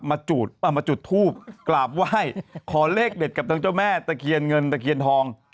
มาจุดทูบกราบไหว้ขอเลขเด็ดกับทางเจ้าแม่ตะเคียนเงินตะเคียนทอง